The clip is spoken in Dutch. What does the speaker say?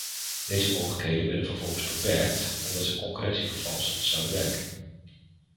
Deze mogelijkheden werden vervolgens beperkt omdat ze concurrentievervalsend zouden werken.